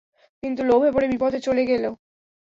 কিন্তু লোভে পড়ে বিপথে চলে গেল।